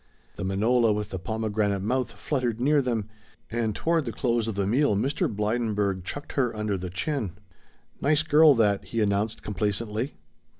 The manola with the pomegranate mouth fluttered near them, and toward the close of the meal Mr. Blydenburg chucked her under the chin. "Nice girl that," he announced complacently.